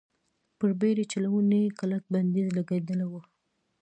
پر بېړۍ چلونې کلک بندیز لګېدلی و.